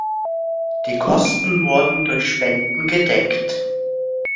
Die Kosten wurden durch Spenden gedeckt.